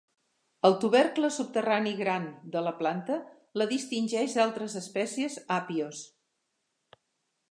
El tubercle subterrani gran de la planta la distingeix d'altres espècies Apios.